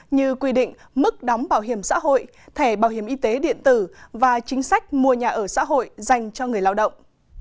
như quy định mức đóng bảo hiểm xã hội thẻ bảo hiểm y tế điện tử và chính sách mua nhà ở xã hội dành cho người lao động